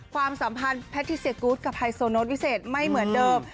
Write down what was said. ความสัมพันธ์แพทิเซียกูธกับไฮโซโน้ตวิเศษไม่เหมือนเดิม